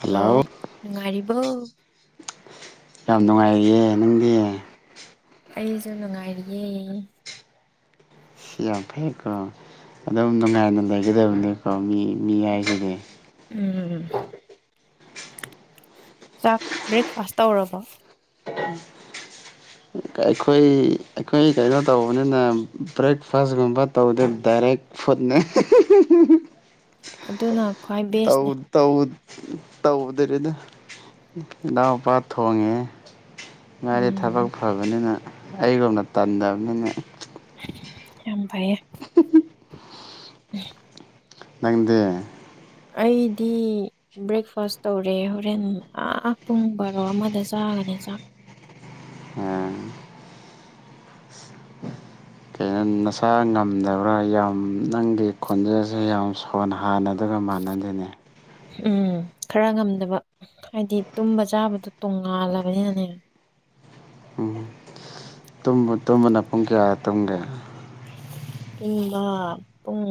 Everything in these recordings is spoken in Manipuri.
ꯍꯜꯂꯣ ꯅꯨꯡꯉꯥꯏꯔꯤꯕꯣ ꯌꯥꯝ ꯅꯨꯡꯉꯥꯏꯔꯤꯌꯦ ꯅꯪꯗꯤ ꯑꯩꯖꯨ ꯅꯨꯡꯉꯥꯏꯔꯤꯌꯦ ꯁꯤ ꯌꯥꯝ ꯐꯩꯀꯣ ꯑꯗꯨꯝ ꯅꯨꯡꯉꯥꯏꯅ ꯂꯩꯒꯗꯕꯅꯤꯀꯣ ꯃꯤ ꯃꯤ ꯌꯥꯏꯁꯤꯗꯤ ꯎꯝ ꯆꯥꯛ ꯕ꯭ꯔꯦꯛꯐꯥꯁ ꯇꯧꯔꯕ ꯑꯩꯈꯣꯏ ꯑꯩꯈꯣꯏ ꯀꯩꯅꯣ ꯇꯧꯕꯅꯤꯅ ꯕ꯭ꯔꯦꯛꯐꯥꯁꯀꯨꯝꯕ ꯇꯧꯗꯦ ꯗꯥꯏꯔꯦꯛ ꯐꯨꯠꯅ ꯑꯗꯨꯅ ꯈ꯭ꯋꯥꯏ ꯇꯧ ꯕꯦꯁꯅꯦ ꯇꯧ ꯇꯧꯗꯔꯦꯗ ꯏꯅꯥꯎꯄꯥ ꯊꯣꯡꯉꯦ ꯃꯥꯗꯤ ꯎꯝ ꯊꯕꯛ ꯐꯕꯅꯤꯅ ꯑꯩꯒꯨꯝꯅ ꯇꯟꯗꯕꯅꯤꯅ ꯌꯥꯝ ꯐꯩꯌꯦ ꯅꯪꯗꯦ ꯑꯩꯗꯤ ꯕ꯭ꯔꯦꯛꯐꯥꯁ ꯇꯧꯔꯦ ꯍꯣꯔꯦꯟ ꯄꯨꯡ ꯕꯥꯔꯣ ꯑꯃꯗ ꯆꯥ ꯗꯨꯅꯦ ꯆꯥꯛ ꯑ ꯅꯪ ꯅꯁꯥ ꯉꯝꯗꯕ꯭ꯔꯥ ꯌꯥꯝ ꯅꯪꯒꯤ ꯈꯣꯟꯖꯦꯜꯁꯦ ꯌꯥꯝ ꯁꯣꯟ ꯍꯥꯟꯅꯗꯒ ꯃꯥꯟꯅ ꯗꯦꯅꯦ ꯎꯝ ꯈꯔ ꯉꯝꯗꯕ ꯍꯥꯏꯗꯤ ꯇꯨꯝꯕ ꯆꯥꯕꯗꯣ ꯇꯣꯡꯉꯥꯜꯂꯕꯅꯤꯅꯅꯦ [inaudible] ꯎꯝ ꯇꯨꯝꯕ ꯇꯨꯝꯕꯅ ꯄꯨꯡ ꯀꯌꯥ ꯇꯨꯝꯒꯦ ꯇꯨꯝꯕ ꯄꯨꯡ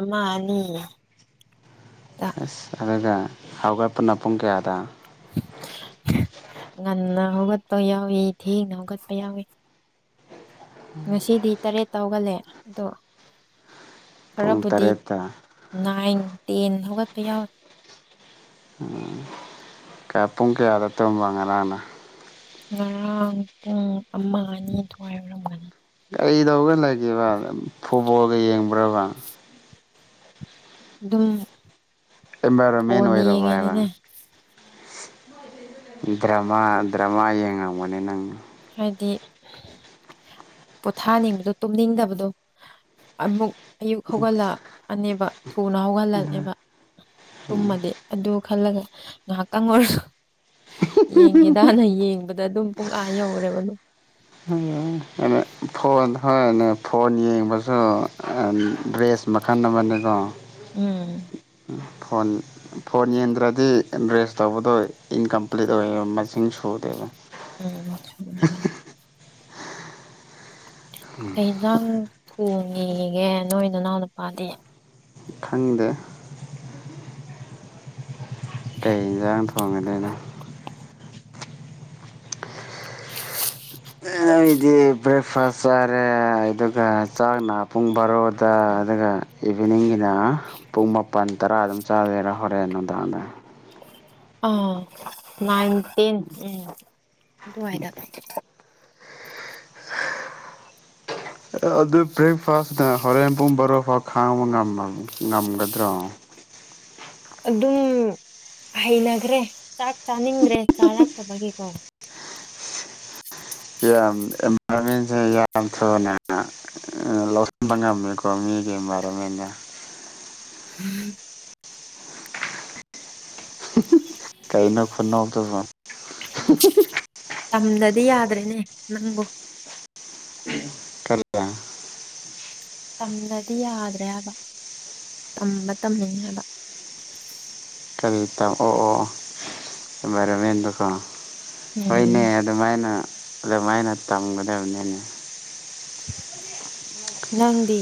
ꯑꯃ ꯑꯅꯤ ꯑꯁ ꯑꯗꯨꯒ ꯍꯧꯒꯠꯄꯅ ꯄꯨꯡ ꯀꯌꯥꯗ ꯉꯟꯅ ꯍꯧꯒꯠꯄ ꯌꯥꯎꯋꯤ ꯊꯦꯡꯅ ꯍꯧꯒꯠꯄ ꯌꯥꯎꯋꯤ ꯉꯁꯤꯗꯤ ꯇꯔꯦꯠꯇ ꯍꯧꯒꯠꯂꯦ ꯑꯗꯣ ꯄꯨꯡ ꯈꯔꯕꯨꯗꯤ ꯇꯔꯦꯠꯇ ꯅꯥꯏꯟ ꯇꯦꯟ ꯍꯧꯒꯠꯄ ꯌꯥꯎꯋꯦ ꯀꯌꯥ ꯄꯨꯡ ꯀꯌꯥꯗ ꯇꯧꯝꯕ ꯉꯔꯥꯡꯅ ꯉꯔꯥꯡ ꯄꯨꯡ ꯑꯃ ꯑꯅꯤ ꯑꯗꯨꯋꯥꯏ ꯑꯣꯏꯔꯝꯒꯅꯤ ꯀꯩꯗꯧꯒ ꯂꯩꯒꯦꯕ ꯐꯨꯠꯕꯣꯜꯒ ꯌꯦꯡꯕ꯭ꯔꯥꯕ ꯗꯨꯝ ꯑꯦꯟꯚꯥꯏꯔꯣꯟꯃꯦꯟ ꯐꯣꯟ ꯑꯣꯏꯔꯕ ꯍꯥꯏꯕ ꯌꯦꯡꯉꯤꯅꯤꯅꯦ ꯗ꯭ꯔꯃꯥ ꯗ꯭ꯔꯃꯥ ꯌꯦꯡꯉꯝꯒꯅꯦ ꯅꯪ ꯍꯥꯏꯗꯤ ꯄꯣꯊꯥꯅꯤꯡꯕꯗꯣ ꯇꯨꯝꯅꯤꯡꯗꯕꯗꯣ ꯑꯃꯨꯛ ꯑꯌꯨꯛ ꯍꯧꯒꯠꯂꯛꯑꯅꯦꯕ ꯊꯨꯅ ꯍꯧꯒꯠꯂꯅꯦꯕ ꯇꯨꯝꯃꯗꯤ ꯑꯗꯨ ꯈꯜꯂꯒ ꯉꯥꯏꯍꯥꯛꯇꯪ ꯑꯣꯏꯔꯁꯨ ꯌꯦꯡꯒꯦꯗꯅ ꯌꯦꯡꯕꯗ ꯑꯗꯨꯝ ꯄꯨꯡ ꯑ ꯑꯥ ꯌꯧꯔꯦꯕ ꯗꯨꯝ ꯐꯣꯟ ꯍꯣꯏꯅꯦ ꯐꯣꯟ ꯌꯦꯡꯕꯁꯨ ꯗ꯭ꯔꯦꯁ ꯃꯈꯜ ꯑꯃꯅꯦꯀꯣ ꯎꯝ ꯐꯣꯟ ꯐꯣꯟ ꯌꯦꯡꯗ꯭ꯔꯗꯤ ꯗ꯭ꯔꯦꯁ ꯇꯧꯕꯗꯣ ꯏꯟꯀꯝꯄ꯭ꯂꯤꯠ ꯑꯣꯏꯌꯦꯕ ꯃ ꯁꯤꯡ ꯁꯨꯗꯦꯕ ꯎꯝ ꯁꯨꯗꯕꯅꯦ ꯀꯩ ꯏꯟꯖꯥꯡ ꯊꯣꯡꯉꯤꯒꯦ ꯅꯣꯏ ꯅꯅꯥꯎꯅꯨꯄꯥꯗꯤ ꯈꯪꯗꯦ ꯀꯩ ꯏꯟꯖꯥꯡ ꯊꯣꯡꯉꯗꯣꯢꯅ [inaudible] ꯅꯣꯢꯗꯤ ꯕ꯭ꯔꯦꯛꯐꯥꯁ ꯆꯥꯔꯦ ꯑꯗꯨꯒ ꯆꯥꯛꯅ ꯄꯨꯡ ꯕꯥꯔꯣꯗ ꯑꯗꯨꯒ ꯏꯚꯤꯅꯤꯡꯒꯤꯅ ꯄꯨꯡ ꯃꯥꯄꯟ ꯇꯔꯥ ꯗꯨꯝ ꯆꯥꯒꯦꯔꯥ ꯍꯣꯔꯦꯟ ꯅꯨꯡꯗꯥꯡꯗ ꯑ ꯅꯥꯏꯟ ꯇꯦꯟ ꯎꯝ ꯑꯗꯨꯋꯥꯏꯗ [inaudible] ꯑꯗꯣ ꯑꯗꯨ ꯕꯦꯛꯐꯥꯁ ꯅ ꯍꯣꯔꯦꯟ ꯄꯨꯡ ꯕꯔꯣ ꯐꯥꯎ ꯈꯥꯡꯕ ꯉꯝꯒꯗ꯭ꯔꯣ ꯑꯗꯨꯝ ꯍꯩꯅꯈ꯭ꯔꯦ ꯆꯥꯛ ꯆꯥꯅꯤꯡꯗ꯭ꯔꯦ ꯆꯥꯔꯛꯇꯕꯒꯤꯀꯣ ꯌꯥꯝ ꯑꯦꯟꯚꯥꯢꯔꯟꯃꯦꯟꯠꯁꯦ ꯌꯥꯝ ꯊꯨꯅ ꯂꯧꯁꯤꯟꯕ ꯉꯝꯃꯦꯀꯣ ꯃꯤ ꯃꯤꯒꯤ ꯏꯟꯚꯥꯏꯔꯣꯃꯦꯟꯠ ꯗ [inaudible] ꯀꯩꯅꯣ ꯈꯨꯅꯣꯛꯇꯨꯕꯨ ꯅꯦ ꯅꯪꯕꯣ ꯀꯔꯤ ꯇꯝꯗꯗꯤ ꯌꯥꯗ꯭ꯔꯦꯕ ꯇꯝꯕ ꯇꯝꯃꯤꯅꯦ ꯍꯥꯢꯕ ꯀꯔꯤ ꯇꯝ ꯑꯣ ꯑꯣ ꯏꯟꯚꯥꯏꯔꯦꯃꯦꯟꯠꯗꯣꯀꯣ ꯍꯣꯏꯅꯦ ꯎꯝ ꯑꯗꯨꯃꯥꯏꯅ ꯑꯗꯨꯃꯥꯏꯅ ꯇꯝꯒꯗꯕꯅꯤꯅꯦ ꯅꯪꯗꯤ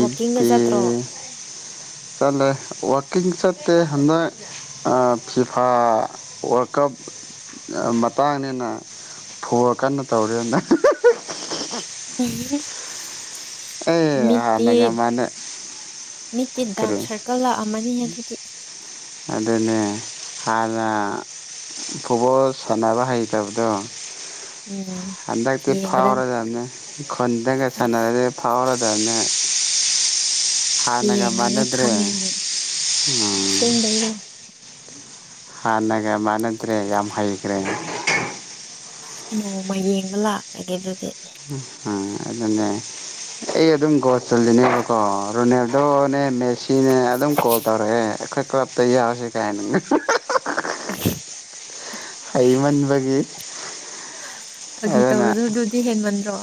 ꯋꯥꯛꯀꯤꯡꯒ ꯆꯠꯇ꯭ꯔꯣ ꯆꯠꯂꯦ ꯋꯥꯀꯤꯡ ꯆꯠꯇꯦ ꯍꯟꯗꯛ ꯑ ꯐꯤꯐꯥ ꯋꯥꯔꯀꯞ ꯃꯇꯥꯡꯅꯤꯅ ꯐꯣꯔ ꯀꯟꯅ ꯇꯧꯔꯦꯅ ꯎꯝꯍꯨꯝ ꯑꯦ ꯍꯥꯟꯅꯒ ꯃꯥꯅ ꯃꯤꯠꯇꯤ ꯗꯥꯔꯛ ꯀꯔꯤ ꯁꯔꯀꯜ ꯂꯥꯛꯑꯝꯃꯅꯤꯍꯦ ꯑꯗꯨꯗꯤ ꯑꯗꯨꯅꯦ ꯍꯥꯟꯅ ꯐꯨꯠꯕꯣꯜ ꯁꯥꯟꯅꯕ ꯍꯩꯇꯕꯗꯣ ꯎꯝ ꯍꯟꯗꯛꯇꯤ ꯌꯦꯡꯕꯗ ꯐꯥꯎꯔꯗꯝꯅꯦ ꯈꯨꯟꯗꯒ ꯑꯁ ꯁꯥꯅꯔꯗꯤ ꯐꯥꯎꯔ ꯗꯨꯅꯦ ꯍꯥꯟꯅꯒ ꯌꯦꯡꯉꯒ ꯃꯥꯟꯅꯦꯗ꯭ꯔꯦ ꯑ ꯈꯪꯉꯦꯅ ꯑꯁꯦꯡꯕꯩꯔꯣ ꯍꯥꯟꯅꯒ ꯃꯅꯗ꯭ꯔꯦ ꯌꯥꯝ ꯍꯩꯈ꯭ꯔꯦ ꯅꯣꯡꯃ ꯌꯦꯡꯕ ꯂꯥꯛꯑꯒꯦ ꯑꯗꯨꯗꯤ ꯑꯥ ꯑꯗꯨꯅꯦ ꯑꯩ ꯑꯗꯨꯝ ꯒꯣꯜ ꯆꯜꯂꯤꯅꯦꯕꯀꯣ ꯔꯣꯅꯥꯜꯗꯣꯅꯦ ꯃꯦꯁ ꯁꯤꯅꯦ ꯑꯗꯨꯝ ꯀꯣꯜ ꯇꯧꯔꯛꯑꯦ ꯑꯈꯣꯏ ꯀ꯭ꯂꯞꯇ ꯌꯥꯎꯔꯁꯦ ꯒꯥꯏꯅ [unintelligible] ꯍꯩꯃꯟꯕꯒꯤ ꯐꯥꯒꯤ ꯑꯗꯨꯅ ꯇꯧꯔꯁꯨ ꯑꯗꯨꯗꯤ ꯍꯦꯟꯃꯟꯗ꯭ꯔꯣ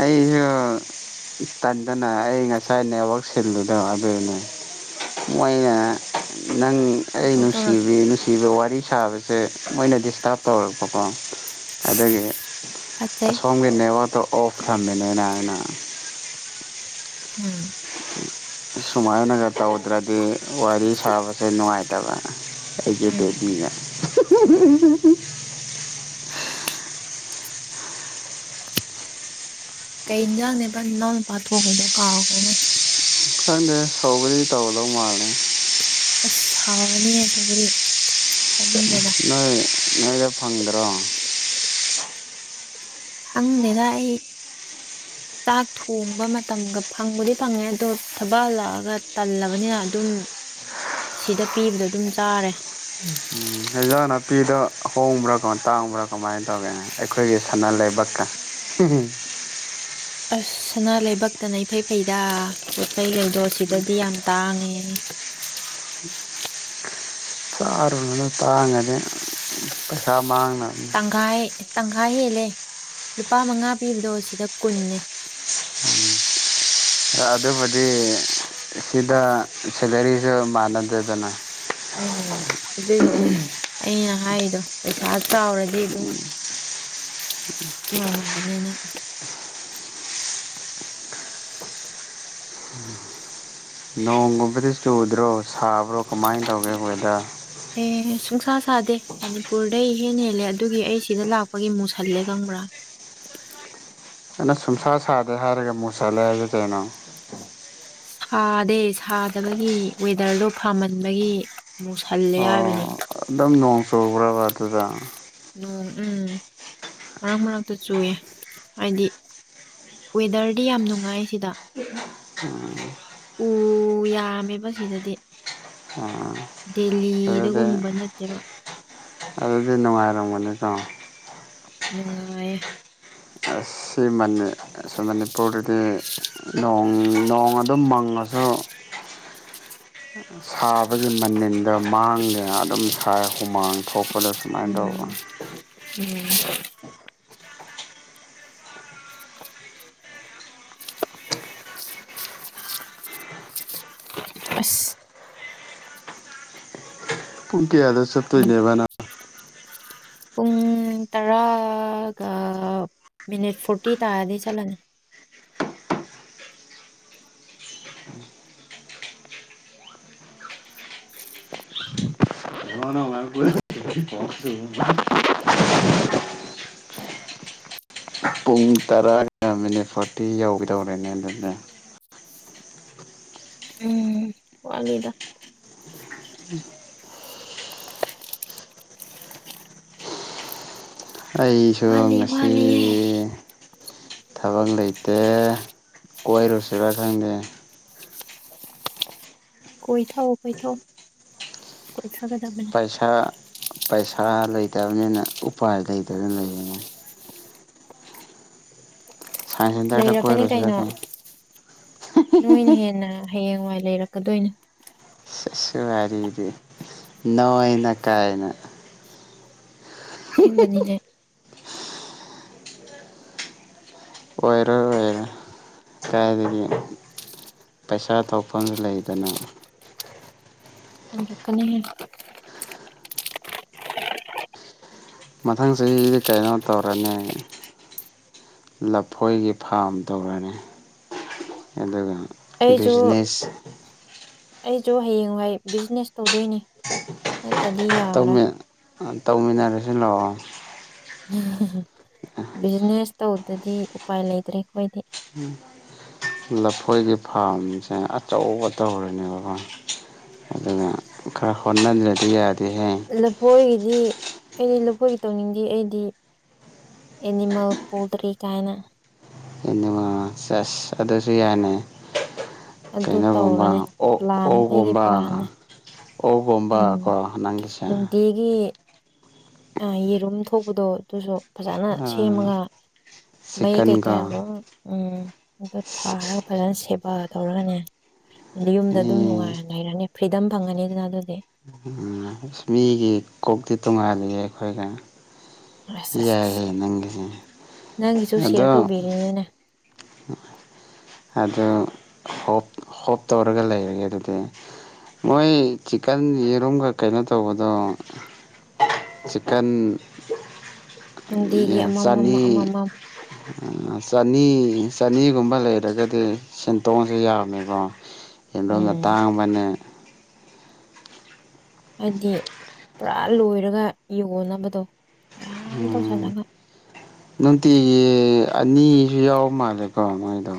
ꯑꯩꯁꯨ ꯇꯟꯗꯅ ꯑꯩ ꯉꯁꯥꯏ ꯅꯦꯠꯋꯥꯛ ꯁꯤꯜꯂꯗꯣ ꯑꯗꯨꯅꯦ ꯃꯣꯏꯅ ꯅꯪ ꯑꯩ ꯄꯪꯇꯧ ꯇꯧꯔꯛ ꯅꯨꯡꯁꯤꯕꯤ ꯅꯨꯡꯁꯤꯕ ꯋꯥꯔꯤ ꯁꯥꯕꯁꯦ ꯃꯣꯏꯅ ꯗꯤꯁꯇꯥꯔꯕ ꯇꯧꯔꯛꯄꯀꯣ ꯑꯗꯨꯒꯤ ꯐꯠꯆꯩ ꯑꯁꯣꯝꯒꯤ ꯅꯦꯠꯋꯥꯛꯠꯇꯣ ꯑꯣꯐꯐ ꯊꯝꯃꯤꯟꯅꯦꯅꯥ ꯑꯩꯅ ꯎꯝ ꯁꯨꯃꯥꯏꯅꯒ ꯇꯧꯗ꯭ꯔꯗꯤ ꯋꯥꯔꯤ ꯁꯥꯕꯁꯦ ꯅꯨꯡꯉꯥꯏꯇꯕ ꯑꯩꯒꯤ ꯎꯝ ꯕꯦꯕꯤꯅ [inaudible] ꯀꯩ ꯏꯟꯖꯥꯡꯅꯦ ꯕ ꯏꯅꯥꯎ ꯅꯨꯄꯥ ꯊꯣꯡꯉꯤꯗꯣ ꯀꯥꯎꯈ꯭ꯔꯦꯅꯦ ꯈꯪꯗꯦ ꯁꯧꯒꯔꯤ ꯇꯧꯗꯧ ꯃꯥꯜꯂꯦ ꯑꯁ ꯍꯥꯎꯔꯅꯤꯍꯦ ꯁꯧꯒ꯭ꯔꯤ ꯆꯪꯅꯤꯡꯈ꯭ꯔꯦꯗ ꯅꯣꯏꯗꯤ ꯐꯪꯗ꯭ꯔꯣ ꯈꯪꯗꯦꯗ ꯑꯩ ꯆꯥꯛ ꯊꯣꯡꯕ ꯃꯇꯝꯒ ꯐꯪꯕꯨꯗꯤ ꯐꯪꯉꯦ ꯑꯗꯣ ꯊꯕꯛ ꯍꯜꯂꯛꯑꯒ ꯇꯜꯂꯕꯅꯤꯅ ꯑꯗꯨꯝ ꯁꯤꯗ ꯄꯤꯕꯗꯣ ꯑꯗꯨꯝ ꯆꯥꯔꯦ ꯎꯝ ꯍꯖꯥꯡ ꯅꯥꯄꯤꯗ ꯑꯍꯣꯡꯕ꯭ꯔꯥ ꯀꯃꯥꯏ ꯇꯥꯡꯕ꯭ꯔꯥ ꯀꯃꯥꯏꯅ ꯇꯧꯒꯦꯅꯦ ꯑꯈꯣꯏꯒꯤ ꯁꯅꯥ ꯂꯩꯕꯥꯛꯀ ꯑꯁ ꯁꯅꯥ ꯂꯩꯕꯛꯇꯅ ꯏꯐ ꯐꯩꯗ [unintelligible] ꯁꯤꯗꯗꯤ ꯌꯥꯝ ꯇꯥꯡꯉꯦ ꯆꯔꯨꯅꯨꯗ ꯇꯥꯡꯉꯅꯤ ꯄꯩꯁꯥ ꯃꯥꯡꯅꯕꯅꯤ ꯇꯪꯈꯥꯏ ꯇꯪꯈꯥꯏ ꯍꯦꯜꯂꯦ ꯂꯨꯄꯥ ꯃꯉꯥ ꯄꯤꯕꯗꯣ ꯁꯤꯗ ꯀꯨꯟꯅꯦ ꯑꯗꯨꯕꯨꯗꯤ ꯁꯤꯗ ꯁꯦꯂꯔꯤꯁꯨ ꯃꯥꯟꯅꯗꯦꯗꯅ ꯎꯝ ꯎꯗꯨꯒꯤꯅꯦ ꯑꯩꯅ ꯍꯥꯏꯗꯣ ꯄꯩꯁꯥ ꯆꯥꯎꯔꯗꯤ ꯑꯗꯨꯝ [unintelligible] ꯅꯣꯡꯒꯨꯝꯕꯗꯤ ꯆꯨꯗ꯭ꯔꯣ ꯁꯥꯕ꯭ꯔꯣ ꯀꯃꯥꯏꯅ ꯇꯧꯒꯦ ꯋꯦꯗꯔ ꯑꯦ ꯁꯨꯡꯁꯥ ꯁꯥꯗꯦ ꯃꯅꯤꯄꯨꯔꯗꯩ ꯏꯍꯦꯟ ꯍꯦꯜꯂꯦ ꯑꯗꯨꯒꯤ ꯑꯩ ꯁꯤꯗ ꯂꯥꯛꯄꯒꯤ ꯃꯨꯛꯁꯜꯂꯦ ꯕ꯭ꯔ ꯑꯩꯅ ꯁꯨꯝꯁꯥ ꯁꯥꯗꯦ ꯍꯥꯏꯔꯒ ꯃꯨꯁꯜꯂꯦ ꯍꯥꯏꯗꯤ ꯀꯩꯅꯣ ꯁꯥꯗꯦ ꯁꯥꯗꯕꯒꯤ ꯋꯦꯗꯔꯗꯣ ꯐꯥꯝꯍꯟꯕꯒꯤ ꯃꯨꯁꯜꯂꯦ ꯍꯥꯏꯕꯅꯦ ꯑꯣ ꯑꯗꯨꯝ ꯅꯣꯡ ꯆꯨꯕ꯭ꯔꯕ ꯑꯗꯨꯗ ꯅꯣꯡ ꯎꯝ ꯃꯔꯛ ꯃꯔꯛꯇ ꯆꯨꯌꯦ ꯍꯥꯏꯗꯤ ꯋꯦꯗꯔꯗꯤ ꯌꯥꯝ ꯅꯨꯡꯉꯥꯏ ꯁꯤꯗ ꯑꯝ ꯌꯥꯝꯃꯦꯕ ꯁꯤꯗꯗꯤ ꯑꯗꯨꯗꯤ ꯗꯦꯜꯂꯤꯗꯒꯨꯝꯕ ꯅꯠꯇꯦꯕ ꯑꯗꯨꯗꯤ ꯅꯨꯡꯉꯥꯏꯔꯝꯒꯅꯤꯀꯣ ꯎꯝ ꯅꯨꯡꯉꯦꯌꯦ ꯁꯤꯃꯅꯤ ꯑꯁꯣꯝ ꯃꯅꯤꯄꯨꯔꯗꯗꯤ ꯅꯣꯡ ꯅꯣꯡ ꯑꯗꯨꯝ ꯃꯪꯉꯁꯨ [inaudible] ꯁꯥꯕꯒꯤ ꯃꯅꯤꯜꯗꯣ ꯃꯥꯡꯗꯦ ꯑꯗꯨꯝ ꯁꯥꯏ ꯍꯨꯃꯥꯡ ꯊꯣꯛꯄꯗ ꯁꯨꯃꯥꯏꯅ ꯎꯝ ꯇꯧꯕꯅꯦ ꯎꯝ ꯑꯁ ꯄꯨꯡ ꯀ꯭ꯌꯥꯗ ꯎꯝ ꯆꯠꯇꯣꯢꯅꯦꯕ ꯅꯪ ꯄꯨꯡ ꯇꯔꯥ ꯒ ꯃꯤꯅꯤꯠ ꯐꯣꯔꯇꯤ ꯇꯥꯔꯗꯤ ꯆꯠꯂꯅꯤ [unintelligible] ꯄꯨꯡ ꯇꯔꯥꯒ ꯃꯤꯅꯤꯠ ꯐꯣꯔꯇꯤ ꯌꯧꯗꯧꯔꯦꯅꯦ ꯑꯗꯨꯗꯦ ꯎꯝ ꯋꯥꯠꯂꯤꯗ [unintelligible] ꯑꯩꯁꯨ ꯋꯥꯠꯂꯤ ꯋꯥꯠꯂꯤꯌꯦ ꯉꯁꯤꯗꯤ ꯊꯕꯛ ꯂꯩꯇ꯭ꯔꯦ ꯀꯣꯏꯔꯨꯁꯤꯔꯥ ꯈꯪꯗꯦ ꯀꯣꯏꯊꯧ ꯀꯣꯏꯊꯧ ꯀꯣꯏꯊꯒꯗꯕꯅꯦ ꯄꯩꯁꯥ ꯄꯩꯁꯥ ꯂꯩꯇꯃꯅꯤꯅ ꯎꯄꯥꯏ ꯂꯩꯇꯗꯅ ꯂꯩꯕꯅꯦ ꯁꯥꯏꯟ ꯁꯦꯟꯇꯔꯗ ꯀꯣꯏꯔꯨꯁꯤꯔ ꯀꯩꯅꯣ ꯅꯣꯏꯅ ꯍꯦꯟꯅ ꯍꯌꯦꯡꯋꯥꯏ ꯂꯩꯔꯛꯀꯗꯣꯏꯅꯦ ꯑꯁ ꯋꯥꯔꯤꯗꯤ ꯅꯣꯏꯅ ꯀꯥꯏꯅ ꯁꯦꯡꯕꯅꯤꯅꯦ ꯑꯣꯏꯔꯣꯏ ꯌꯦ ꯀꯥꯏꯗꯒꯤ ꯄꯩꯁꯥ ꯊꯣꯛꯐꯝꯁꯨ ꯂꯩꯇꯅ ꯂꯩꯔꯛꯀꯅꯤꯍꯦ ꯃꯊꯪ ꯆꯍꯤꯗꯤ ꯀꯩꯅꯣ ꯇꯧꯔꯅꯤ ꯂꯐꯣꯏꯒꯤ ꯐꯥꯔꯝ ꯇꯧꯔꯅꯤ ꯑꯗꯨꯒ ꯑꯩꯁꯨ ꯕꯤꯖꯤꯅꯦꯁ ꯑꯩꯁꯨ ꯍꯌꯦꯡꯋꯥꯏ ꯕꯤꯖꯤꯅꯦꯁ ꯇꯧꯗꯣꯏꯅꯤ ꯅꯠꯇꯗꯤ ꯌꯥꯔꯦ ꯇꯧꯃꯤꯟ ꯇꯧꯃꯤꯟꯅꯔꯁꯤ ꯂꯥꯛꯑꯣ [unintelligible] ꯕꯤꯖꯤꯅꯦꯁ ꯇꯧꯗꯗꯤ ꯎꯄꯥꯏ ꯂꯩꯇ꯭ꯔꯦ ꯑꯩꯈꯣꯏꯗꯤ [unintelligible] ꯂꯐꯣꯏꯒꯤ ꯐꯥꯔꯝꯁꯦ ꯑꯆꯧꯕ ꯇꯧꯔꯅꯦꯕꯀꯣ ꯑꯗꯨꯅ ꯈꯔ ꯍꯣꯠꯅꯖ ꯂꯐꯣꯏꯒꯤꯗꯤ ꯑꯩꯗꯤ ꯂꯐꯣꯏꯒꯤ ꯇꯧꯅꯤꯡꯗꯦ ꯑꯩꯗꯤ ꯑꯦꯅꯤꯃꯦꯜ ꯄꯣꯜꯇ꯭ꯔꯤ ꯀꯥꯏꯅ ꯑꯥ ꯁꯦꯁ ꯑꯗꯨꯁꯨ ꯌꯥꯢꯅꯦ ꯑꯗꯨ ꯀꯩꯅꯣꯒꯨꯝꯕ ꯇꯧꯔꯅꯤ ꯑꯣꯛ ꯄ꯭ꯂꯥꯟ ꯑꯩꯒꯤ ꯑꯣꯒꯨꯝꯕ ꯄ꯭ꯂꯥꯟꯅ ꯑꯣ ꯎꯝ ꯒꯨꯝꯕꯀꯣ ꯅꯪꯒꯤꯁꯦ ꯅꯨꯡꯇꯤꯒꯤ ꯌꯦꯔꯨꯝ ꯊꯣꯛꯄꯗꯣ ꯑꯗꯨꯁꯨ ꯐꯖꯅ ꯑ ꯁꯦꯝꯃꯒ ꯃꯩ ꯀꯩ ꯀ ꯆꯤꯛꯀꯟꯒ ꯂꯣꯢ ꯎꯝ ꯑꯗꯨ ꯊꯥꯔꯒ ꯐꯖꯟ ꯁꯦꯕꯥ ꯇꯧꯔꯒꯅꯦ ꯅꯌꯨꯝꯗ ꯑꯗꯨꯝ ꯃꯤ ꯅꯨꯡꯉꯥꯏꯅ ꯂꯩꯔꯅꯤ ꯐ꯭ꯔꯤꯗꯝ ꯐꯪꯉꯅꯤꯗꯅ ꯑꯗꯨꯗꯤ ꯃꯤꯒꯤ ꯀꯣꯛꯇꯤ ꯇꯣꯡꯉꯥꯜꯂꯤꯌꯦ ꯑꯩꯈꯣꯏꯒ ꯑꯁ ꯑꯁ ꯌꯥꯏ ꯑꯁ ꯍꯦ ꯅꯪꯒꯤꯖꯦ ꯅꯪꯒꯤꯁꯨ ꯁꯤꯌꯔ ꯑꯗꯣ ꯇꯧꯕꯤꯔꯤꯅꯤꯅꯦ ꯑꯗꯨ ꯍꯣꯞ ꯍꯣꯞ ꯇꯧꯔꯒ ꯂꯩꯔꯒꯦ ꯑꯗꯨꯗꯤ ꯃꯣꯏ ꯆꯤꯀꯟ ꯌꯦꯔꯨꯝꯒ ꯀꯩꯅꯣ ꯇꯧꯕꯗꯣ ꯆꯤꯀꯟ ꯅꯨꯡꯇꯤꯒꯤ ꯌꯦ ꯑꯃꯃꯝ ꯆꯅꯤ ꯑꯃꯃꯝ ꯆꯅꯤ ꯆꯅꯤꯒꯨꯝꯕ ꯂꯩꯔꯒꯗꯤ ꯁꯦꯟꯇꯣꯡꯁꯦ ꯌꯥꯝꯃꯦꯀꯣ ꯁꯦꯟꯗꯣꯡꯅ ꯎꯝ ꯇꯥꯡꯕꯅꯦ ꯑꯩꯗꯤ ꯄꯨꯔꯥ ꯂꯣꯏꯔꯒ ꯌꯣꯟꯅꯕꯗꯣ ꯃꯌꯥꯝ ꯇꯧꯁꯜꯂꯒ ꯅꯨꯡꯇꯤꯒꯤ ꯑꯅꯤꯁꯨ ꯌꯥꯎ ꯃꯥꯜꯂꯦꯀꯣ ꯃꯣꯏꯗꯣ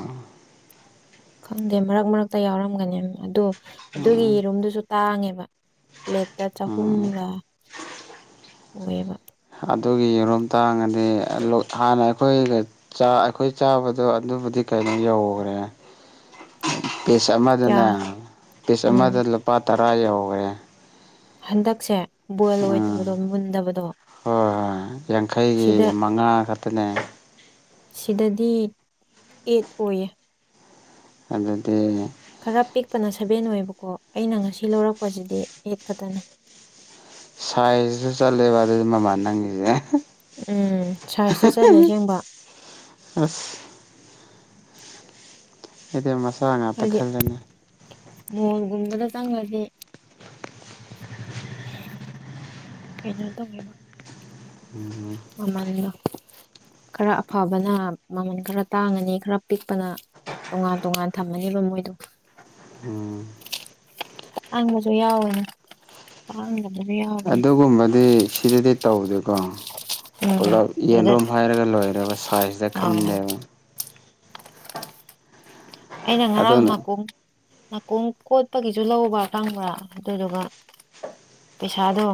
ꯈꯪꯗꯦ ꯃꯔꯛ ꯃꯔꯛꯇ ꯌꯥꯎꯔꯝꯒꯅꯤ ꯑꯗꯣ ꯑꯗꯨꯒꯤ ꯌꯦꯔꯨꯝꯗꯨꯁꯨ ꯇꯥꯡꯉꯦꯕ ꯄ꯭ꯂꯦꯠꯇ ꯎꯝ ꯆꯍꯨꯝꯂꯥ ꯑꯣꯏꯌꯦꯕ ꯑꯗꯨꯒꯤ ꯌꯦꯔꯨꯝ ꯇꯥꯡꯉꯗꯤ ꯂꯣ ꯍꯥꯟꯅ ꯑꯩꯈꯣꯏꯒ ꯑꯩꯈꯣꯏ ꯆꯥꯕꯗꯣ ꯑꯗꯨꯕꯨꯗꯤ ꯆꯅꯤ ꯌꯧꯒ꯭ꯔꯦ [inaudible] ꯄꯤꯁ ꯀꯌꯥ ꯑꯃꯗꯅꯦ ꯄꯤꯁ ꯑꯃꯗ ꯎꯝ ꯂꯨꯄꯥ ꯇꯔꯥ ꯌꯧꯒ꯭ꯔꯦ ꯍꯟꯗꯛꯁꯦ ꯕꯣꯏꯜ ꯑꯣꯏꯗꯕꯗꯣ ꯃꯨꯟꯗꯕꯗꯣ ꯍꯣꯏ ꯍꯣꯏ ꯌꯥꯡꯈꯩꯒꯤ ꯁꯤꯗ ꯃꯉꯥ ꯈꯛꯇꯅꯦ ꯁꯤꯗꯗꯤ ꯑꯦꯠ ꯑꯣꯏꯌꯦ ꯑꯗꯨꯗꯤ ꯈꯔ ꯄꯤꯛꯄꯅ ꯁꯚꯦꯟ ꯑꯣꯏꯕꯀꯣ ꯑꯩꯅ ꯉꯁꯤ ꯂꯧꯔꯛꯄꯁꯤꯗꯤ ꯑꯩꯠ ꯈꯛꯇꯅꯦ ꯅꯪꯒꯤꯖꯦ ꯍꯦ ꯎꯝ ꯁꯥꯏꯖꯇ ꯆꯠꯂꯦ ꯁꯦꯡꯕ ꯑꯁ ꯑꯩꯗꯤ ꯃꯆꯥ ꯉꯥꯛꯇ ꯍꯥꯏꯗꯤ ꯈꯜꯂꯅꯤ ꯃꯣꯜꯒꯨꯝꯕꯗ ꯆꯡꯉꯒꯦ ꯀꯩꯅꯣ ꯇꯧꯅꯩꯕꯣ ꯃꯃꯟꯗꯣ ꯈꯔ ꯑꯐꯕꯅ ꯃꯃꯜ ꯈꯔ ꯇꯥꯡꯉꯅꯤ ꯈꯔ ꯄꯤꯛꯄꯅ ꯇꯣꯉꯥꯟ ꯇꯣꯉꯥꯟ ꯊꯝꯃꯅꯤꯕ ꯃꯣꯏꯗꯣ ꯎꯝ ꯇꯥꯡꯕꯁꯨ ꯌꯥꯎꯋꯦꯅꯦ ꯇꯥꯡꯗ ꯑꯗꯨꯒꯨꯝꯕꯗꯤ ꯁꯤꯗꯗꯤ ꯇꯧꯗꯦꯀꯣ ꯎꯝ ꯄꯨꯂꯞ ꯑꯗꯨꯗ ꯌꯦꯔꯨꯝ ꯍꯥꯏꯔꯒ ꯂꯣꯏꯔꯦꯕ ꯁꯥꯏꯖꯇ ꯑꯥ ꯈꯟꯗꯦꯕ ꯑꯩꯅ ꯉꯔꯥꯡ ꯑꯗꯨꯅ ꯅꯥꯀꯣꯡ ꯅꯥꯀꯣꯡ ꯀꯣꯠꯄꯒꯤꯁꯨ ꯂꯧꯕ꯭ꯔ ꯈꯪꯕ꯭ꯔꯥ ꯑꯗꯨꯗꯨꯒ ꯄꯩꯁꯥꯗꯣ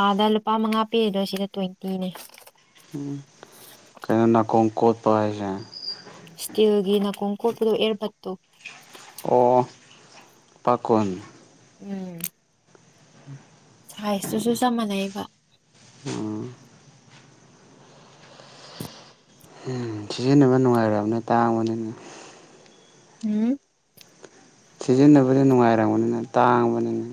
ꯑꯥꯗ ꯂꯨꯄꯥ ꯃꯉꯥ ꯄꯤꯔꯤꯗꯣ ꯁꯤꯗ ꯇ꯭ꯋꯦꯟꯇꯤꯅꯦ ꯎꯝ ꯀꯩꯅꯣ ꯅꯥꯀꯣꯡ ꯀꯣꯠꯄ ꯍꯥꯏꯁꯦ ꯁꯇꯤꯜꯒꯤ ꯅꯥꯀꯣꯡ ꯀꯣꯠꯄꯗꯣ ꯑꯦꯔꯕꯠꯇꯣ ꯑꯣ ꯄꯥꯈꯣꯟ ꯎꯝ ꯁꯥꯏꯖꯇꯨꯁꯨ ꯆꯞ ꯃꯥꯟꯅꯩꯕ ꯎꯝ ꯎꯝ ꯁꯤꯖꯤꯟꯅꯕ ꯅꯨꯡꯉꯥꯏꯔꯝꯅꯤ ꯇꯥꯡꯕꯅꯤꯅ ꯎꯝ ꯁꯤꯖꯤꯟꯅꯕꯗꯤ ꯅꯨꯡꯉꯥꯏꯔꯝꯒꯅꯤꯅ ꯇꯥꯡꯕꯅꯤꯅ